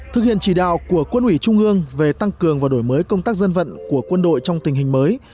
thực hiện chỉ đạo của quân ủy trung ương về tăng cường và đổi mới công tác dân vận của quân đội trong tình hình mới